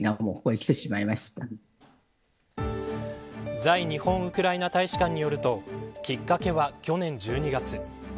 在日本ウクライナ大使館によるときっかけは去年１２月。